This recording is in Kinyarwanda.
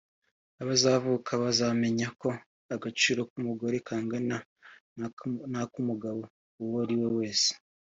abazavuka bazamenya ko agaciro k’umugore kangana n’ak’umugabo uwo ariwe wese